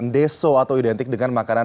deso atau identik dengan makanan